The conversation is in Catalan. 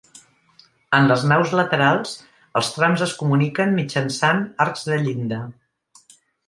En les naus laterals els trams es comuniquen mitjançant arcs de llinda.